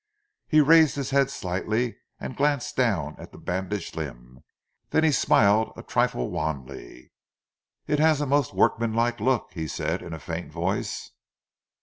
He raised his head slightly, and glanced down at the bandaged limb, then he smiled a trifle wanly. "It has a most workmanlike look," he said in a faint voice.